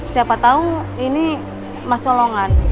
siapa tahu ini emas colongan